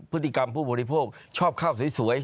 พฤติกรรมผู้บริโภคชอบข้าวสวย